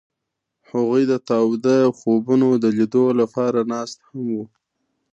هغوی د تاوده خوبونو د لیدلو لپاره ناست هم وو.